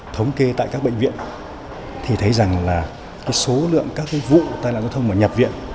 thống kê tại các bệnh viện thì thấy rằng là số lượng các vụ tai nạn giao thông mà nhập viện